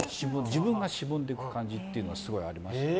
自分がしぼんでいく感じっていうのはすごいありました。